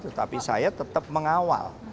tetapi saya tetap mengawal